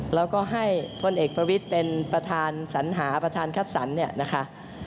แล้วก็ให้พลเอกประวิทย์เป็นประธานสัญหาประธานคัดสรรเนี่ยนะคะ